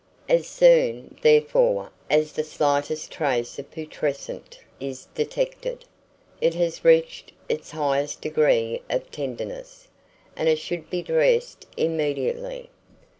As soon, therefore, as the slightest trace of putrescence is detected, it has reached its highest degree of tenderness, and should be dressed immediately.